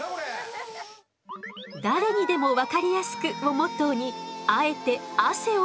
誰にでも分かりやすくをモットーにあえて汗をかいて解説。